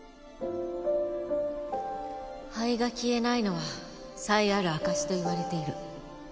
灰が消えないのは才ある証しといわれている。